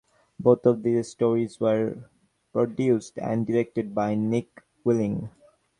Both of these stories were produced and directed by Nick Willing.